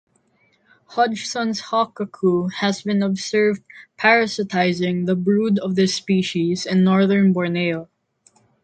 Hodgson's hawk-cuckoo has been observed parasitizing the brood of this species in northern Borneo.